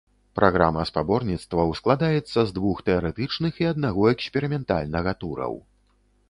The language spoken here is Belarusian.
Праграма спаборніцтваў складаецца з двух тэарэтычных і аднаго эксперыментальнага тураў.